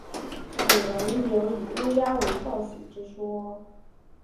古人亦有以乌鸦为报喜之说。